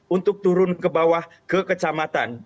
untuk turun ke bawah ke kecamatan